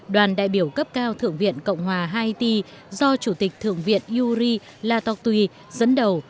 đoàn đại biểu cấp cao thượng viện cộng hòa haiti do chủ tịch thượng viện yuri latortui dẫn đầu